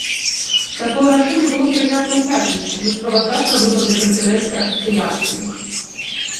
Такое рашэнне было прынята ў пятніцу на справаздачна-выбарнай канферэнцыі асацыяцыі.